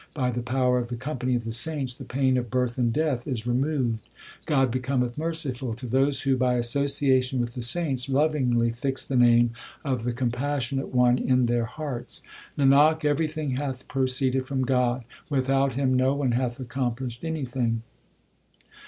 By the power of the company of the saints the pain of birth and death is removed. God becometh merciful to those who, by association with the saints, Lovingly fix the name of the compassionate One in their hearts. Nanak, everything hath proceeded from God ; Without Him no one hath accomplished anything.